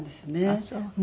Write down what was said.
ああそう。